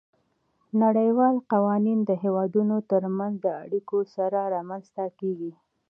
نړیوال قوانین د هیوادونو ترمنځ د اړیکو سره رامنځته کیږي